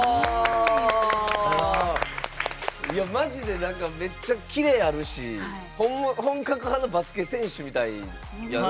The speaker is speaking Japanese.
マジでめっちゃキレあるし本格派のバスケ選手みたいやな。